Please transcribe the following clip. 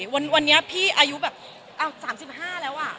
วันนี้พี่อายุแบบ๓๕แล้ว